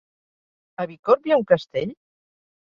A Bicorb hi ha un castell?